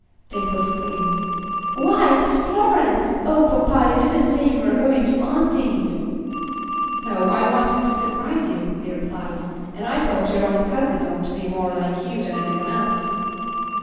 Dimple screamed, "Why, it is Florence. Oh! papa, you didn't say you were going to auntie's!" "No. I wanted to surprise you," he replied. "And I thought your own cousin ought to be more like you than any one else."